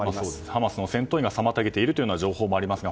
ハマスの戦闘員が妨げているという情報もありますが